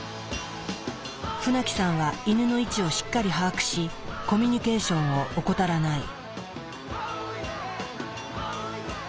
船木さんはイヌの位置をしっかり把握しコミュニケーションを怠らない。